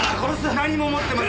何も持ってませんから。